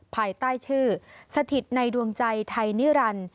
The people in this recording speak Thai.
ภายใต้ชื่อสถิตในดวงใจไทยนิรันดิ์